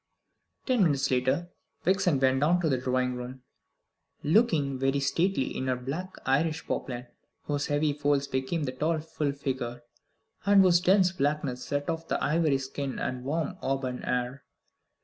Ten minutes later Vixen went down to the drawing room, looking very stately in her black Irish poplin, whose heavy folds became the tall full figure, and whose dense blackness set off the ivory skin and warm auburn hair.